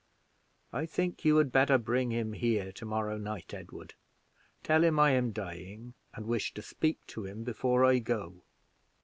I think you had better bring him here to morrow night, Edward; tell him I am dying, and wish to speak to him before I go.